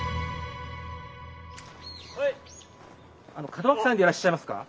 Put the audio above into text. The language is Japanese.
門脇さんでいらっしゃいますか？